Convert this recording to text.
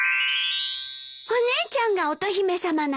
お姉ちゃんが乙姫さまなの？